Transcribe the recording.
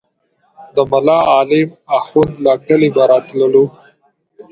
د ملا عالم اخند له کلي به راتللو.